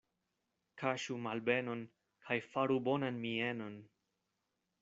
Kaŝu malbenon kaj faru bonan mienon.